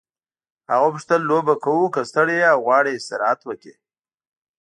هغه وپوښتل لوبه کوو که ستړی یې او غواړې استراحت وکړې.